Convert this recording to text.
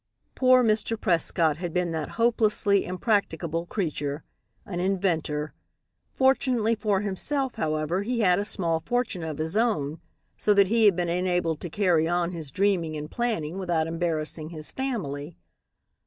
Poor Mr. Prescott had been that hopelessly impracticable creature an inventor. Fortunately for himself, however, he had a small fortune of his own so that he had been enabled to carry on his dreaming and planning without embarrassing his family.